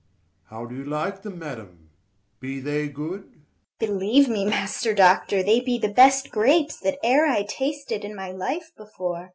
How do you like them, madam? be they good? DUCHESS. Believe me, Master Doctor, they be the best grapes that e'er I tasted in my life before.